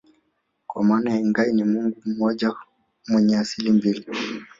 kwa maana Engai ni mungu mmoja mwenye asili mbili